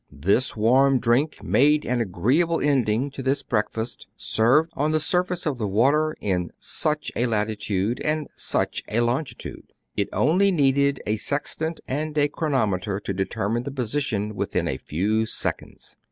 This warm drink made an agreeable ending to this breakfast, served on the surface of the water in " such " a latitude and " such " a longitude. It only needed a sextant and a chronometer to deter mine the position within a few seconds.